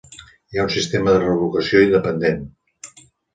Hi ha un sistema de revocació independent.